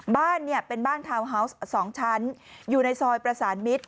บ้านเนี่ยเป็นบ้านทาวน์ฮาวส์๒ชั้นอยู่ในซอยประสานมิตร